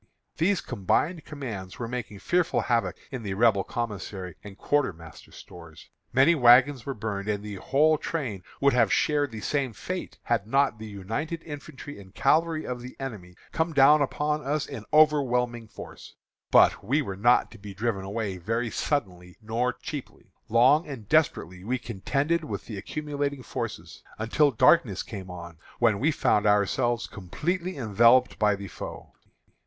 These combined commands were making fearful havoc in the Rebel commissary and quartermaster stores. Many wagons were burned, and the whole train would have shared the same fate had not the united infantry and cavalry of the enemy come down upon us in overwhelming force. But we were not to be driven away very suddenly nor cheaply. Long and desperately we contended with the accumulating forces, until darkness came on, when we found ourselves completely enveloped by the foe.